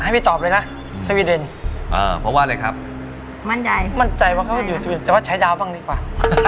มั่นใจว่าเขาจะอยู่สวีเดนแต่ว่าใช้ดาวบ้างดีกว่า